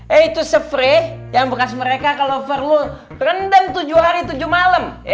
eh itu sefre yang bekas mereka kalo perlu rendam tujuh hari tujuh malem